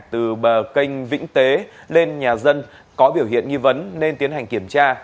từ bờ kênh vĩnh tế lên nhà dân có biểu hiện nghi vấn nên tiến hành kiểm tra